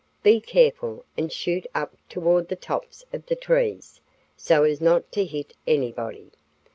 Be careful, and shoot up toward the tops of the trees, so as not to hit anyone.